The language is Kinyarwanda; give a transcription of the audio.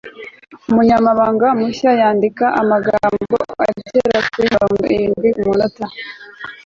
umunyamabanga mushya yandika amagambo agera kuri mirongo irindwi kumunota